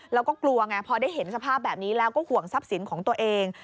แล้วก็กลัวไงพอได้เห็นสภาพแบบนี้แล้วก็ห่วงทรัพย์สินของตัวเอง